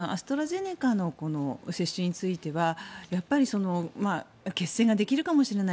アストラゼネカの接種についてはやっぱり血栓ができるかもしれない。